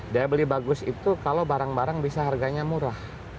daya beli bagus itu kalau barang barang bisa harganya murah